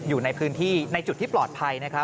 อยู่ในพื้นที่ในจุดที่ปลอดภัย